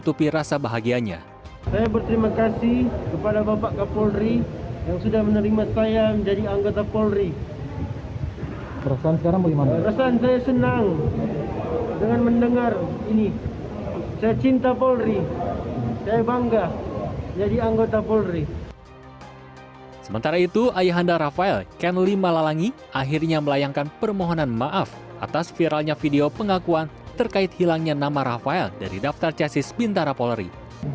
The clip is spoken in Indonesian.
tidak ada lagi yang bisa dibesarkan lagi jadi ujung ujungnya semua sudah selesai